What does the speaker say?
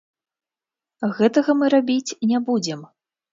Гэтага мы рабіць не будзем.